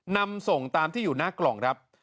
นำส่งตามที่อยู่หน้ากล่องครับ